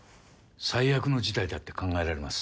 最悪の事態だって考えられます。